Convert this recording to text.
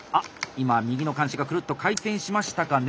今右の鉗子がクルッと回転しましたかね？